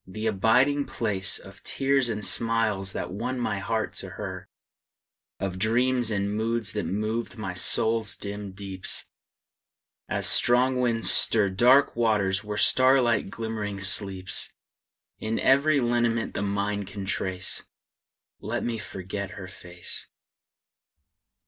the abiding place Of tears and smiles that won my heart to her; Of dreams and moods that moved my soul's dim deeps, As strong winds stir Dark waters where the starlight glimmering sleeps. In every lineament the mind can trace, Let me forget her face!